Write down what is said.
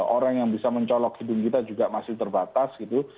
orang yang bisa mencolok hidung kita juga masih terbatas gitu